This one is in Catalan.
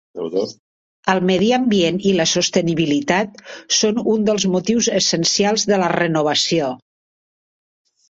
El medi ambient i la sostenibilitat són un dels motius essencials de la renovació.